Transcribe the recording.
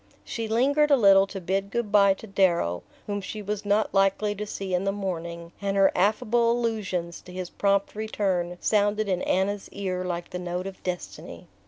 She lingered a little to bid good bye to Darrow, whom she was not likely to see in the morning; and her affable allusions to his prompt return sounded in Anna's ear like the note of destiny.